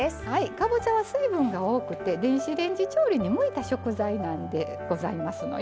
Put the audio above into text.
かぼちゃは水分が多くて電子レンジ調理に向いた食材なんでございますのよ。